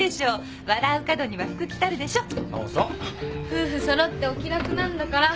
夫婦揃ってお気楽なんだから。